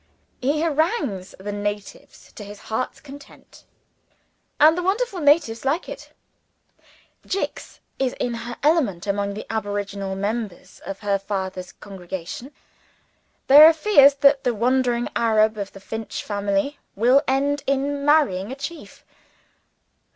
He harangues the "natives" to his heart's content: and the wonderful natives like it. "Jicks" is in her element among the aboriginal members of her father's congregation: there are fears that the wandering Arab of the Finch family will end in marrying "a chief."